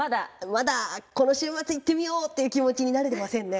まだ「この週末行ってみよう！」っていう気持ちになれてませんね。